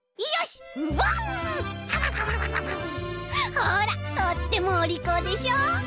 ほらとってもおりこうでしょう？